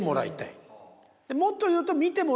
もっと言うと。